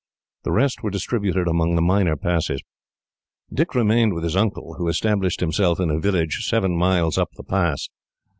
The rest were distributed among the minor passes. Dick remained with his uncle, who established himself in a village, seven miles up the pass.